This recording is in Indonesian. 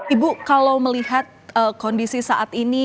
ibu kalau melihat kondisi saat ini